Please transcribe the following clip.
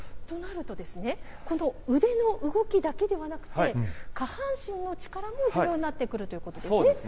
となるとですね、この腕の動きだけではなくて、下半身の力も重要になってくるということですね。